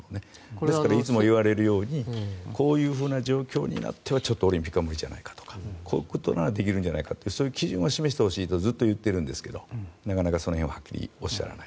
ですから、いつも言われるようにこういう状況になってはちょっとオリンピックは無理じゃないかとかこういうことならできるんじゃないかとかそういう基準を示してほしいとずっと言っているんですけどなかなかその辺ははっきりおっしゃらない。